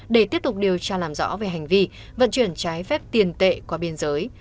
để tiếp tục điều tra làm rõ về hành vi vận chuyển trái phép tiền tệ qua biên giới